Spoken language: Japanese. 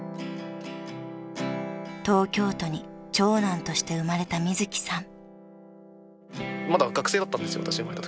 ［東京都に長男として生まれたみずきさん］